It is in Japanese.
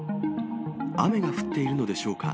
雨が降っているのでしょうか。